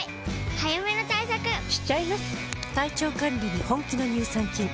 早めの対策しちゃいます。